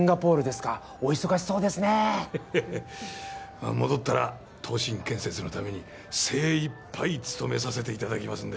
まあ戻ったら藤請建設のために精いっぱい務めさせていただきますんで。